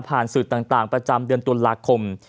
สื่อต่างประจำเดือนตุลาคม